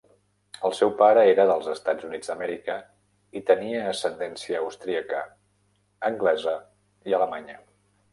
El seu pare era dels EUA i tenia ascendència austríaca, anglesa i alemanya.